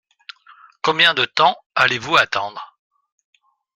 Combien de temps allez-vous attendre ?